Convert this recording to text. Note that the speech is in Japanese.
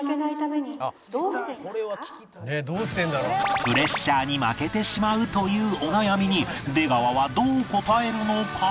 プレッシャーに負けてしまうというお悩みに出川はどう答えるのか？